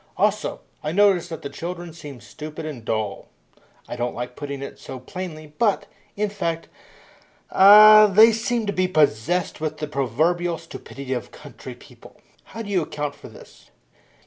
Also, I notice that the children seem stupid and dull. I don't like putting it so plainly, but, in fact, ah, they seem to be possessed with the proverbial stupidity of country people. How do you account for this?"